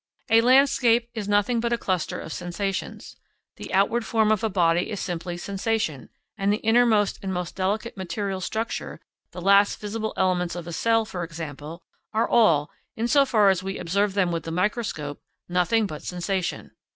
A landscape is nothing but a cluster of sensations. The outward form of a body is simply sensation; and the innermost and most delicate material structure, the last visible elements of a cell, for example, are all, in so far as we observe them with the microscope, nothing but sensation.